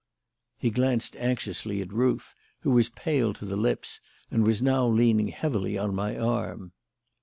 He glanced anxiously at Ruth, who was pale to the lips and was now leaning heavily on my arm.